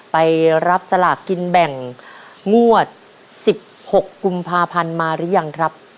ไปรับสลากกินแบ่งงวด๑๖กุมภาพันธ์มาหรือยังครับ